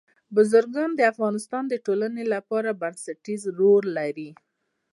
بزګان د افغانستان د ټولنې لپاره بنسټيز رول لري.